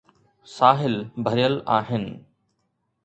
ساحل ڀريل آهن.